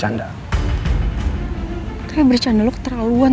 jadi kita machen immunity yang kalah dengan tuhan